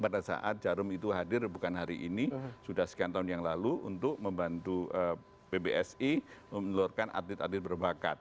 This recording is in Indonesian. pada saat jarum itu hadir bukan hari ini sudah sekian tahun yang lalu untuk membantu pbsi menelurkan atlet atlet berbakat